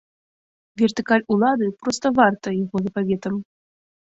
Вертыкаль улады проста вартая яго запаветам.